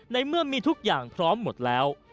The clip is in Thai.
ในเมื่อมีทุกอย่างพร้อมหมดแล้ว